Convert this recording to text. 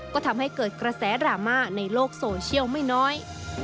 ก็ทำให้เกิดกระแสดราม่าในโลกโซเชียลไม่น้อย